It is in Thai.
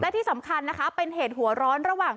ที่สำคัญนะคะเป็นเหตุหัวร้อนระหว่าง